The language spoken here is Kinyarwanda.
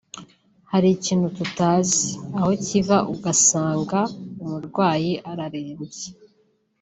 Hari ikintu tutazi aho kiva ugasanga umurwayi ararembye